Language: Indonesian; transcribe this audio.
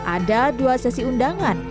ada dua sesi undangan